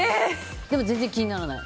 でも全然気にならない。